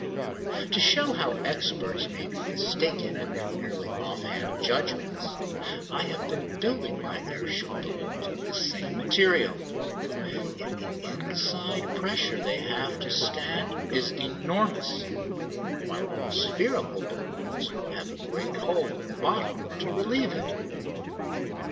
To show how experts may be mistaken in their merely off hand judgments I have been building my air ship balloons of this same material; yet the inside pressure they have to stand is enormous, while all spherical balloons have a great hole in the bottom to relieve it.